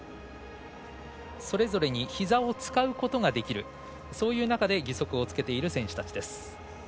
それぞれにひざを使うことができるそういう中で義足をつけている選手たちです。